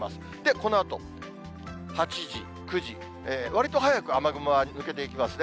このあと、８時、９時、わりと早く雨雲は抜けていきますね。